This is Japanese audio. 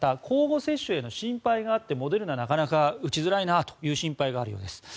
交互接種への心配があってモデルナなかなか打ちづらいという心配があるようです。